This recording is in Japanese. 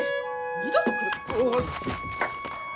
二度と来るか！